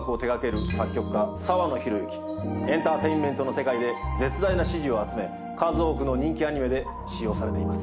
エンターテインメントの世界で絶大な支持を集め数多くの人気アニメで使用されています。